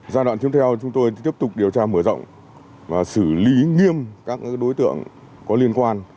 giai đoạn tiếp theo chúng tôi tiếp tục điều tra mở rộng và xử lý nghiêm các đối tượng có liên quan